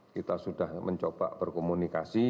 kita sudah mencoba berkomunikasi